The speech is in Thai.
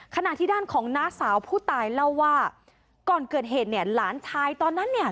ขณะที่ด้านของน้าสาวผู้ตายเล่าว่าก่อนเกิดเหตุเนี่ยหลานชายตอนนั้นเนี่ย